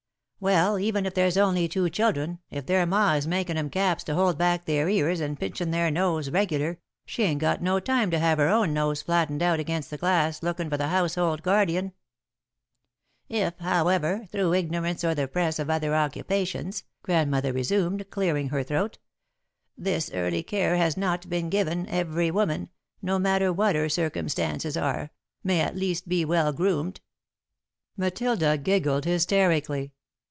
"Well, even if there's only two children, if their Ma is makin' 'em caps to hold back their ears and pinchin' their noses regular, she ain't got no time to have her own nose flattened out against the glass lookin' for The Household Guardian." "'If, however, through ignorance or the press of other occupations,'" Grandmother resumed, clearing her throat, "'this early care has not been given, every woman, no matter what her circumstances are, may at least be well groomed.'" Matilda giggled hysterically.